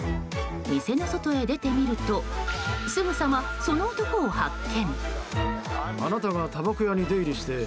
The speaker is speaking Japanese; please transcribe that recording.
店の外へ出てみるとすぐさま、その男を発見。